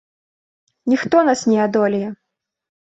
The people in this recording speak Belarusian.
Ніхто нас не адолее!